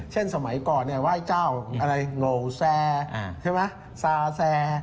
เช่นสมัยก่อนว่าเจ้าโง่แซ่ซาแซ่